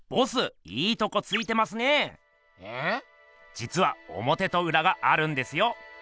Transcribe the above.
じつはおもてとうらがあるんですよ。